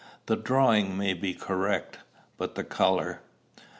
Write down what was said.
The drawing might be correct, but the color?